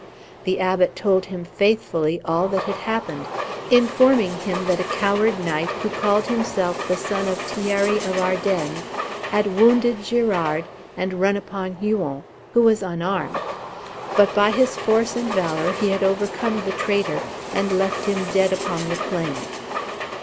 The Abbot told him faithfully all that had happened, informing him that a coward knight, who called himself the son of Thierry of Ardennes, had wounded Girard, and run upon Huon, who was unarmed; but by his force and valor he had overcome the traitor, and left him dead upon the plain.